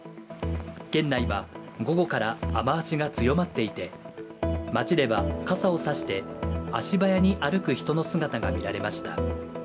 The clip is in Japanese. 県内は午後から雨足が強まっていて、町では傘を差して足早に歩く人の姿がみられました。